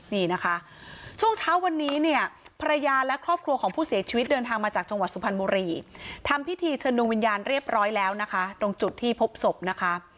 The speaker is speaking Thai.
นี่นะคะช่วงเช้าวันนี้เนี่ยภรรยาและครอบครัวของผู้เสียชีวิตเดินทางมาจากจังหวัดสุพรรณบุรีทำพิธีเชิญดวงวิญญาณเรียบร้อยแล้วนะคะตรงจุดที่พบศพนะคะ